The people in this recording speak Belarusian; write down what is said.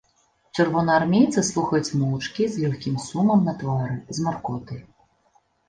Чырвонаармейцы слухаюць моўчкі, з лёгкім сумам на твары, з маркотай.